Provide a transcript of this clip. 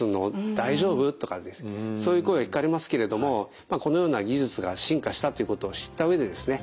大丈夫？」とかですねそういう声が聞かれますけれどもこのような技術が進化したということを知った上でですね